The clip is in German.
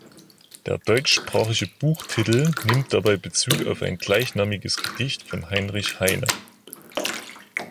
Der deutschsprachige Buchtitel nimmt dabei Bezug auf ein gleichnamiges Gedicht von Heinrich Heine.